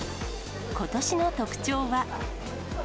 ことしの特徴は。